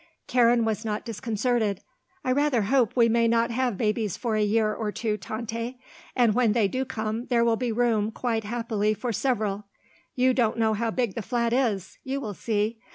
Karen was not disconcerted. "I rather hope we may not have babies for a year or two, Tante; and when they do come there will be room, quite happily, for several. You don't know how big the flat is; you will see.